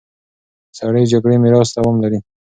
سړې جګړې میراث دوام لري.